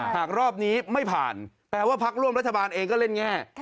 หากรอบนี้ไม่ผ่านแปลว่าพักร่วมรัฐบาลเองก็เล่นแง่